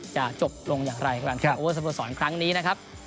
จะจบลงอย่างไรกับทางอู๋สะพัดสอนครั้งนี้นะครับ